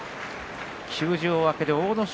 休場明けの阿武咲